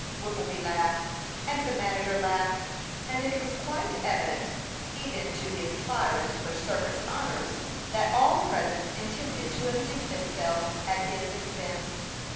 Whippleby laughed, and the manager laughed; and it was quite evident, even to the aspirant for circus honors, that all present intended to amuse themselves at his expense.